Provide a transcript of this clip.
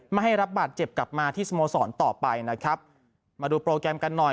ไม่ให้รับบาดเจ็บกลับมาที่สโมสรต่อไปนะครับมาดูโปรแกรมกันหน่อย